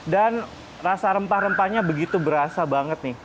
dan rasa rempah rempahnya begitu berasa banget nih